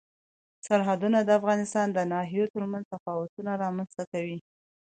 سرحدونه د افغانستان د ناحیو ترمنځ تفاوتونه رامنځ ته کوي.